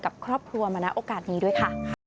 กับครอบครัวมานะโอกาสนี้ด้วยค่ะ